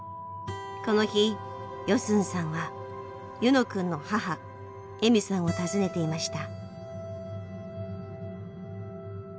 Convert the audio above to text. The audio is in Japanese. この日ヨスンさんはユノくんの母エミさんを訪ねていました。